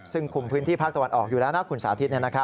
ซึ่งคุมพื้นที่ภาคตะวันออกอยู่แล้วนะคุณสาธิต